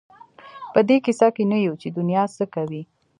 په دې کيسه کې نه یو چې دنیا څه کوي.